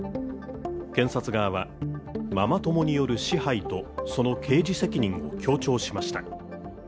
検察側は、ママ友による支配とその刑事責任を強調しました。